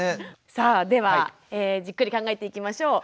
さあではじっくり考えていきましょう。